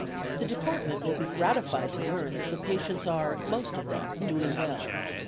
The Department will be gratified to learn that the patients are, most of them, doing well.